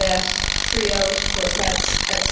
_, trios, quartets, etc.).